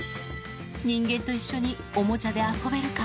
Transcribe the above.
人間と一緒におもちゃで遊べるか。